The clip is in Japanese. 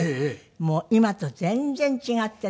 もう今と全然違ってね。